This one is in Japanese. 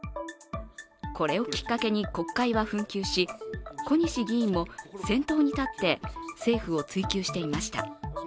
これをきっかけに国会は紛糾し、小西議員も先頭に立って政府を追及していました。